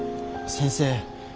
先生。